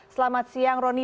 selamat siang roni